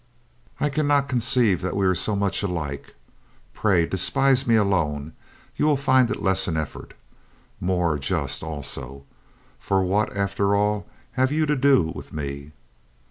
"I can not conceive that we are so much alike. Pray, despise me alone; you will find it less an efTort. More just, also. For what, after all, have you to do with me?"